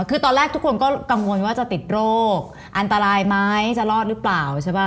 คือตอนแรกทุกคนก็กังวลว่าจะติดโรคอันตรายไหมจะรอดหรือเปล่าใช่ป่ะ